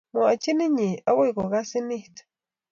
Mwachin inye akoi kokasin it.